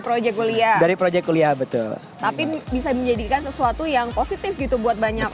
proyek kuliah dari project kuliah betul tapi bisa menjadikan sesuatu yang positif gitu buat banyak